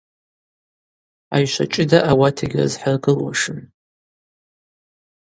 Айшва чӏыда ауат йгьрызхӏыргылуашым.